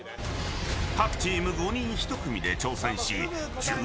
各チーム５人１組で挑戦し１０